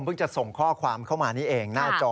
จะส่งข้อความเข้ามานี่เองหน้าจอ